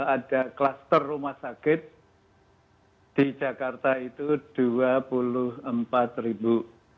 ada kluster rumah sakit di jakarta itu dua puluh empat ribu